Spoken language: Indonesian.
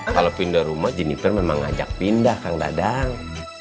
kalau pindah rumah jennifer memang ngajak pindah kang dadang